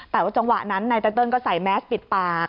แต่ว่าจังหวะนั้นนายไตเติลก็ใส่แมสปิดปาก